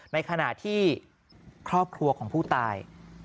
ในขณะที่ครอบครัวของผู้ตาย